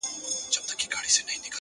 څو؛ د ژوند په دې زوال کي کړې بدل;